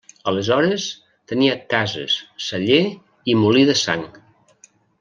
Aleshores, tenia cases, celler i molí de sang.